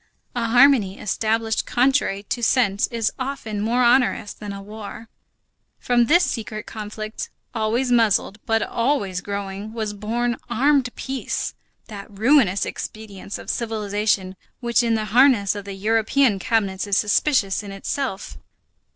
A harmony established contrary to sense is often more onerous than a war. From this secret conflict, always muzzled, but always growling, was born armed peace, that ruinous expedient of civilization which in the harness of the European cabinets is suspicious in itself.